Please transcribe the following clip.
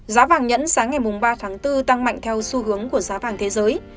giá vàng nhẫn sáng ngày ba tháng bốn tăng mạnh theo xu hướng của giá vàng thế giới